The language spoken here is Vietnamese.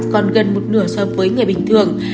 còn gần một nửa so với người bình thường